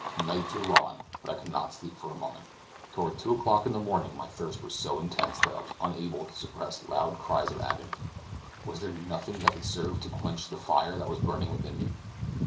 Night drew on, but I could not sleep for a moment. Toward two o'clock in the morning my thirst was so intense that I was unable to suppress loud cries of agony. Was there nothing that would serve to quench the fire that was burning within me?